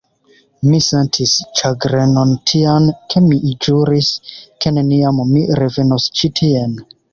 Mi sentis ĉagrenon tian, ke mi ĵuris, ke neniam mi revenos ĉi tien.